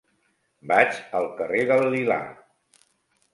Vaig al carrer del Lilà.